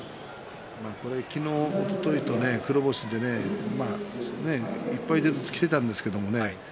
昨日、おとといと黒星でね１敗ずつできていたんですけどもね